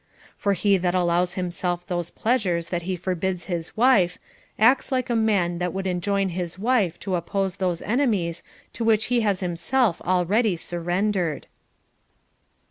For he that allows him self those pleasures that he forbids his wife, acts like a man that would enjoin his wife to oppose those enemies to which he has himself already surrendered.